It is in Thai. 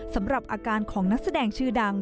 สำหรับอาการของนักแสดงชื่อดัง